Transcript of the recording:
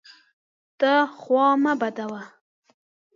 ته خوا مه بدوه!